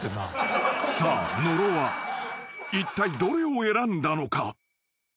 ［さあ野呂はいったいどれを選んだのか？］